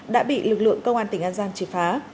đã bị lực lượng công an tỉnh an giang triệt phá